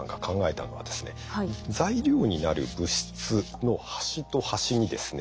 材料になる物質の端と端にですね